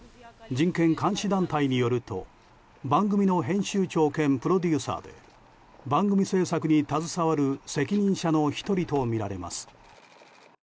人権監視団体によると番組の編集長兼プロデューサーで番組制作に携わる責任者の１人とみられます。